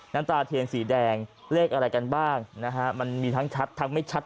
น้ำตาเทียนสีแดงเลขอะไรกันบ้างนะฮะมันมีทั้งชัดทั้งไม่ชัด